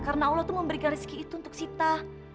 karena allah tuh memberikan rezeki itu untuk sita